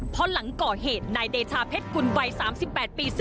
เพราะหลังก่อเหตุนายเดชาเพชรกุลวัย๓๘ปี